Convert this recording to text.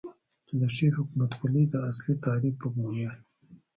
چې د ښې حکومتولې داصلي تعریف په بنیاد